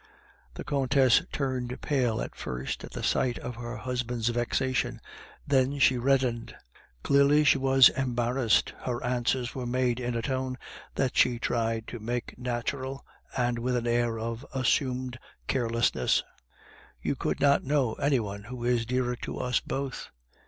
The Countess turned pale at first at the sight of her husband's vexation, then she reddened; clearly she was embarrassed, her answer was made in a tone that she tried to make natural, and with an air of assumed carelessness: "You could not know any one who is dearer to us both..."